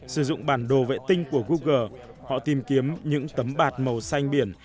sử dụng bản đồ vệ tinh của google họ tìm kiếm những tấm bạt màu xanh biển